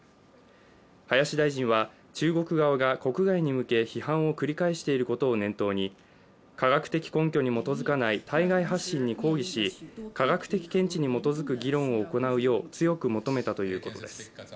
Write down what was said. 林大臣は中国側が国外に向け批判を繰り返していることを念頭に科学的根拠に基づかない対外発信に抗議し科学的見地に基づく議論を行うよう強く求めたということです。